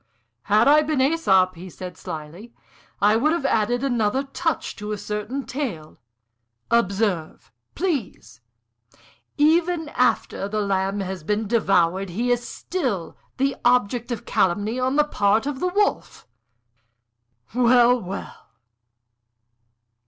"Had I been Æsop," he said, slyly, "I would have added another touch to a certain tale. Observe, please! even after the Lamb has been devoured he is still the object of calumny on the part of the Wolf! Well, well!